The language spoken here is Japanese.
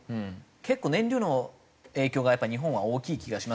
結構燃料の影響がやっぱり日本は大きい気がしますよね。